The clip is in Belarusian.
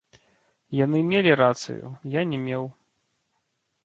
Яны мелі рацыю, я не меў.